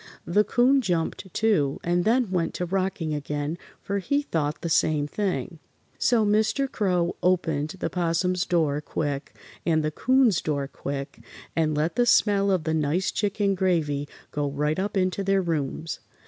The 'Coon jumped, too, and then went to rocking again, for he thought the same thing. So Mr. Crow opened the 'Possum's door quick and the 'Coon's door quick and let the smell of the nice chicken gravy go right up into their rooms.